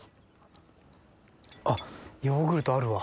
あっヨーグルトあるわ。